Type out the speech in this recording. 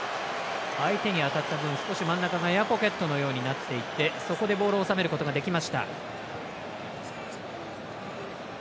相手に当たった分、真ん中がエアポケットのようになっていてそこでボールを収めることができました。